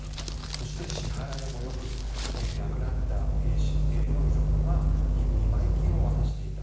そして、支払いも良く亡くなった兵士の遺族には見舞金を渡していた。